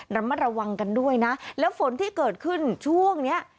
ระมัดระวังกันด้วยนะแล้วฝนที่เกิดขึ้นช่วงเนี้ย